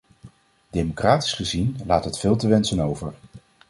Democratisch gezien laat het veel te wensen over.